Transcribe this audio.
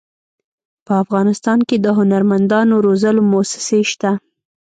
په افغانستان کې د هنرمندانو روزلو مؤسسې شته.